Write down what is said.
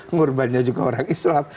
ngorban juga orang islam